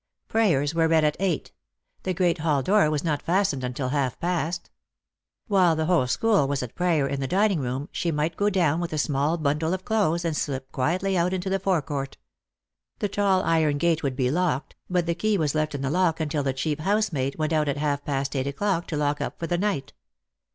Prayers were read at eight. The great hall door was not fastened until half past. While the whole school was at prayer 192 Lost for Love. in the dining room, she might go down with a small I undle of clothes, and slip quietly out into the forecourt. The tall iron gate would be locked, but the key was left in the lock until the chief housemaid went out at half past eight to lock up for the night.